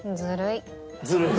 ずるい。